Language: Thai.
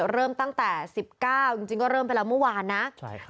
เริ่มตั้งแต่สิบเก้าจริงจริงก็เริ่มไปแล้วเมื่อวานนะใช่ค่ะ